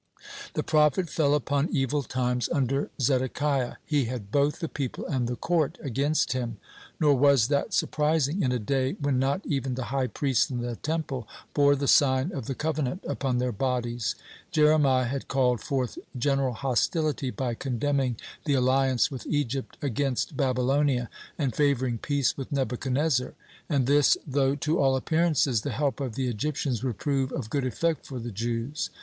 (15) The prophet fell upon evil times under Zedekiah. He had both the people and the court against him. Nor was that surprising in a day when not even the high priests in the Temple bore the sign of the covenant upon their bodies. (16) Jeremiah had called forth general hostility by condemning the alliance with Egypt against Babylonia, and favoring peace with Nebuchadnezzar; and this though to all appearances the help of the Egyptians would prove of good effect for the Jews.